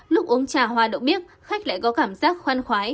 lúc uống trà hoa đậu miếc khách lại có cảm giác khoan khoái